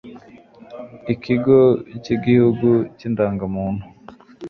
ikigo cy'igihugu cy'indangamuntu